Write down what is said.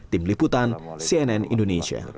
tim liputan cnn indonesia